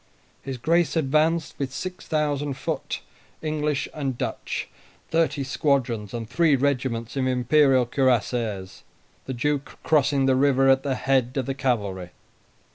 His Grace advanced with six thousand foot, English and Dutch, thirty squadrons, and three regiments of Imperial Cuirassiers, the Duke crossing the river at the head of the cavalry.